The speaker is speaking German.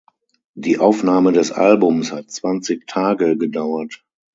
Die Aufnahme des Albums hat zwanzig Tage gedauert.